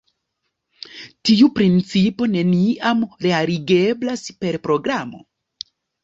Tiu principo neniam realigeblas per programo.